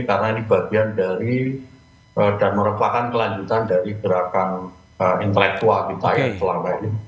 karena ini bagian dari dan merupakan kelanjutan dari gerakan intelektual kita yang selama ini